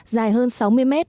dài hơn sáu mươi m